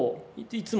いつも。